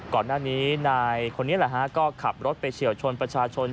ก่อนหน้านี้นายคนนี้แหละฮะก็ขับรถไปเฉียวชนประชาชน